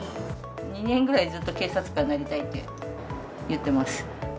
２年ぐらいずっと警察官になりたいって言ってます。